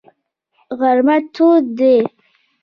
غرمه تود دی.